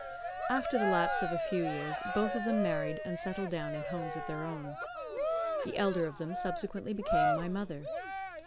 After the lapse of a few years both of them married and settled down in homes of their own. The elder of them subsequently became my mother.